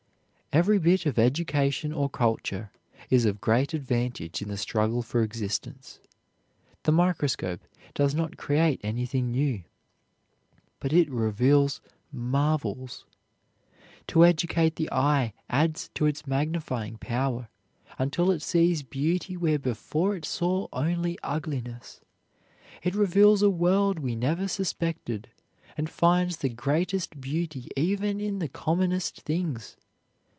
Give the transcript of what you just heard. Every bit of education or culture is of great advantage in the struggle for existence. The microscope does not create anything new, but it reveals marvels. To educate the eye adds to its magnifying power until it sees beauty where before it saw only ugliness. It reveals a world we never suspected, and finds the greatest beauty even in the commonest things.